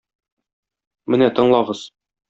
Менә тыңлагыз.